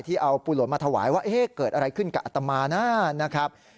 ที่เอาปูหลนมาถวายว่าเกิดอะไรขึ้นกับอัตมานะ